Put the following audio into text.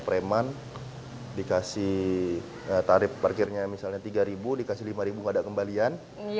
preman dikasih tarif parkirnya misalnya rp tiga dikasih rp lima pada kembalian